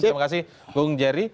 terima kasih bung jerry